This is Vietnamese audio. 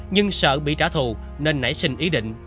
nhưng sợ bị trả thù nên nảy sinh ý định